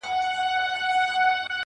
سیاه پوسي ده، ستا غمِستان دی.